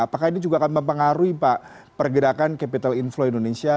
apakah ini juga akan mempengaruhi pak pergerakan capital inflow indonesia